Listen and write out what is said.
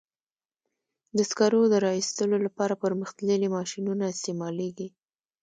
د سکرو د را ایستلو لپاره پرمختللي ماشینونه استعمالېږي.